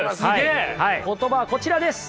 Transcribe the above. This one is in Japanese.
言葉はこちらです。